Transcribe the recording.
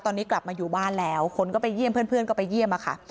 ตอนนี้กลับมาอยู่บ้านแล้วคนก็ไปเยี่ยมเพื่อนก็ไปเยี่ยมค่ะ